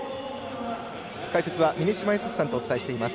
解説は峰島靖さんでお伝えしています。